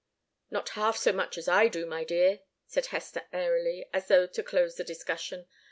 "Not half so much as I do, my dear," said Hester, airily, as though to close the discussion.